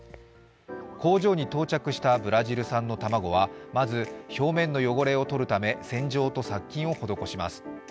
工場に到着したブラジル産の卵はまず、表面の汚れを取るため洗浄と殺菌を施します。